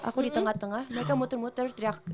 aku di tengah tengah mereka muter muter teriak